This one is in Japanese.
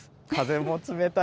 風も冷たい。